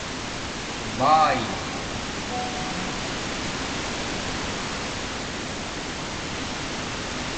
بائ